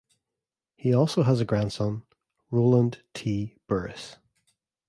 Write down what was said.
He also has a grandson, Roland T. Burris.